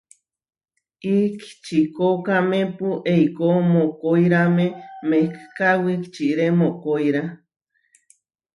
Ihčikókamepu eikó mokóirame mehká wičiré mokoirá.